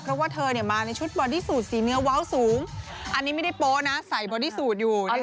เพราะว่าเธอมาในชุดบอดี้สูตรสีเนื้อว้าวสูงอันนี้ไม่ได้โป๊ะนะใส่บอดี้สูตรอยู่